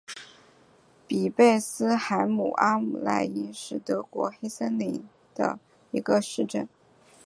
比贝斯海姆阿姆赖因是德国黑森州的一个市镇。